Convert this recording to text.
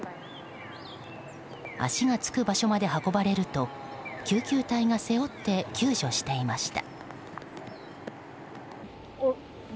足がつく場所まで運ばれると救急隊が背負って救助していました。